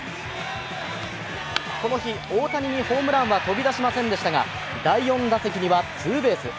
この日、大谷にホームランは飛び出しませんでしたが第４打席にはツーベース。